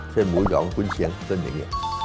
เช่นหมูหย่อของคุณเชียงซึ่งอย่างนี้